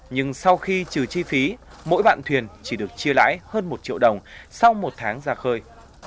nhưng sau khi trừ chi phí mỗi bạn thuyền chỉ được chia lãi hơn một triệu đồng sau một tháng ra khơi